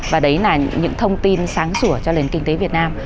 và đấy là những thông tin sáng sủa cho nền kinh tế việt nam